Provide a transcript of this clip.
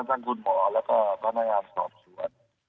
ทั้งคุณหมอแล้วก็พนักงานสอบสวน